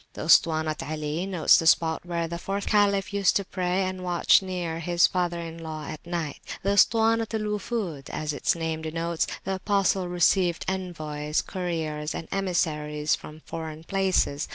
The Ustuwanat Ali notes the spot where the fourth Caliph used to pray and watch near his father in law at night. At the Ustuwanat al Wufud, as its name denotes, the Apostle received envoys, couriers, and emissaries from foreign places.